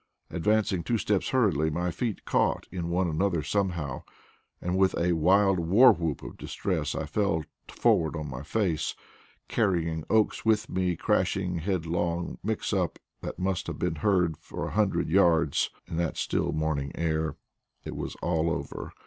Advancing two steps hurriedly, my feet caught in one another somehow, and with a wild war whoop of distress I fell forward on my face, carrying Oakes with me in a crashing, headlong mix up that must have been heard for a hundred yards in that still morning air. It was all over!